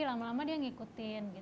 lama lama dia ngikutin